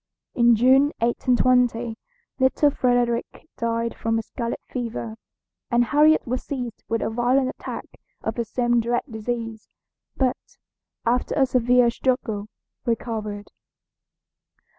In June, 1820, little Frederick died from scarlet fever, and Harriet was seized with a violent attack of the same dread disease; but, after a severe struggle, recovered.